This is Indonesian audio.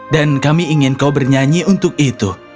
dan kami ingin kau bernyanyi untuk itu